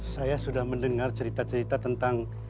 saya sudah mendengar cerita cerita tentang